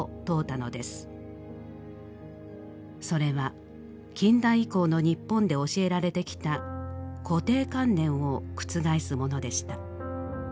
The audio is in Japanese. それは近代以降の日本で教えられてきた固定観念を覆すものでした。